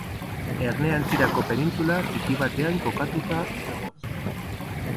Erne aintzirako penintsula txiki batean kokatua dago.